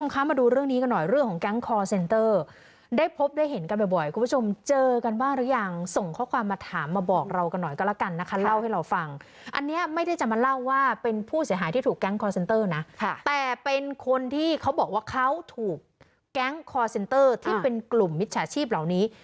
คะมาดูเรื่องนี้กันหน่อยเรื่องของแก๊งคอร์เซ็นเตอร์ได้พบได้เห็นกันบ่อยคุณผู้ชมเจอกันบ้างหรือยังส่งข้อความมาถามมาบอกเรากันหน่อยก็แล้วกันนะคะเล่าให้เราฟังอันนี้ไม่ได้จะมาเล่าว่าเป็นผู้เสียหายที่ถูกแก๊งคอร์เซนเตอร์นะแต่เป็นคนที่เขาบอกว่าเขาถูกแก๊งคอร์เซ็นเตอร์ที่เป็นกลุ่มมิจฉาชีพเหล่านี้